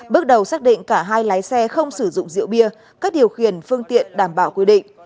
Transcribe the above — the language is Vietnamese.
bước đầu xác định cả hai lái xe không sử dụng rượu bia các điều khiển phương tiện đảm bảo quy định